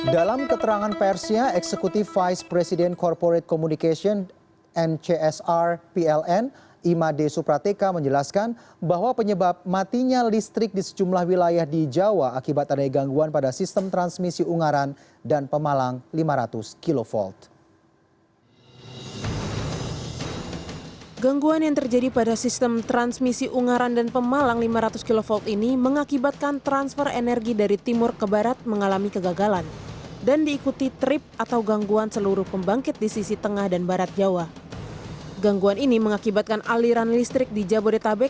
dalam keterangan persia eksekutif vice president corporate communication ncsr pln imade suprateka menjelaskan bahwa penyebab matinya listrik di sejumlah wilayah di jawa akibat ada gangguan pada sistem transmisi ungaran dan pemalang lima ratus kv